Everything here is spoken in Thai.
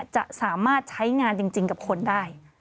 จะสามารถใช้งานจริงกับคนได้